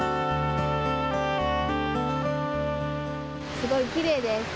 すごいきれいです。